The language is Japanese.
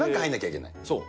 そう。